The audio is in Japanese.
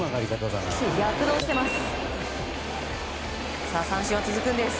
躍動してます。